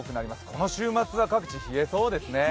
この週末は各地、冷えそうですね。